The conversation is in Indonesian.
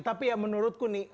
tapi ya menurutku nih